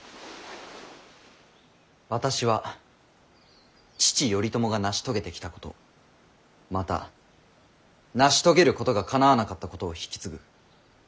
私は父頼朝が成し遂げてきたことまた成し遂げることがかなわなかったことを引き継ぐ。